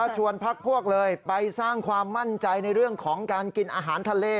ชวนพักพวกเลยไปสร้างความมั่นใจในเรื่องของการกินอาหารทะเล